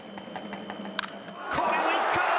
これもいくか？